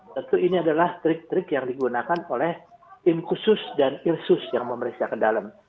tentu ini adalah trik trik yang digunakan oleh tim khusus dan irsus yang memeriksa ke dalam